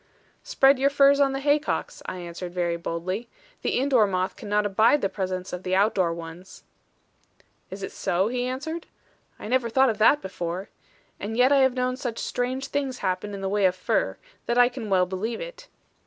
'Spread your furs on the haycocks,' I answered very boldly: 'the indoor moth cannot abide the presence of the outdoor ones.' 'Is it so?' he answered: 'I never thought of that before. And yet I have known such strange things happen in the way of fur, that I can well believe it.